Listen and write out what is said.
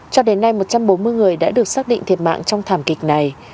cho đến nay một trăm bốn mươi người đã được xác định thiệt mạng trong thảm kịch này